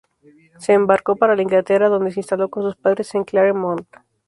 Se embarcó para Inglaterra, donde se instaló con sus padres en Claremont.